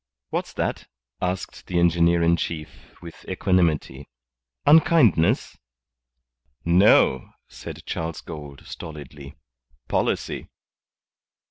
"What's that?" asked the engineer in chief, with equanimity. "Unkindness?" "No," said Charles Gould, stolidly. "Policy."